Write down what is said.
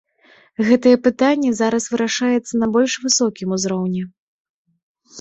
Гэтае пытанне зараз вырашаецца на больш высокім узроўні.